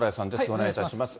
お願いいたします。